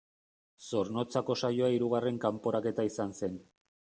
Zornotzako saioa hirugarren kanporaketa izan zen.